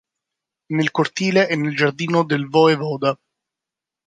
Nel cortile e nel giardino del Voevoda.